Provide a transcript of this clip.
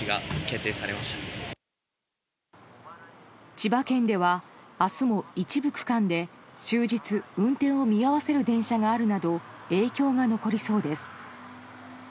千葉県では明日も一部区間で終日、運転を見合わせる電車があるなど影響が残りそうです。